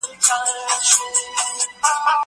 ميوې د زهشوم له خوا خوړل کيږي.